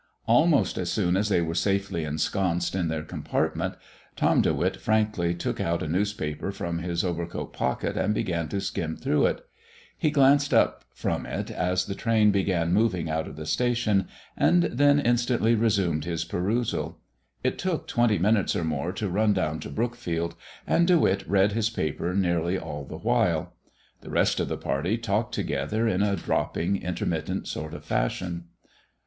Almost as soon as they were safely ensconced in their compartment, Tom De Witt frankly took out a newspaper from his overcoat pocket and began to skim through it. He glanced up from it as the train began moving out of the station, and then instantly resumed his perusal. It took twenty minutes or more to run down to Brookfield, and De Witt read his paper nearly all the while. The rest of the party talked together in a dropping, intermittent sort of a fashion.